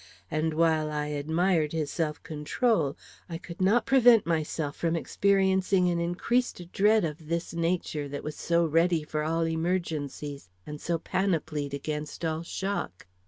And while I admired his self control, I could not prevent myself from experiencing an increased dread of this nature that was so ready for all emergencies and so panoplied against all shock.